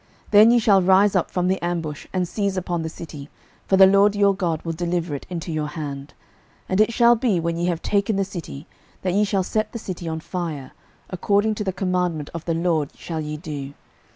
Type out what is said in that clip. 06:008:007 Then ye shall rise up from the ambush, and seize upon the city: for the LORD your God will deliver it into your hand. 06:008:008 And it shall be, when ye have taken the city, that ye shall set the city on fire: according to the commandment of the LORD shall ye do.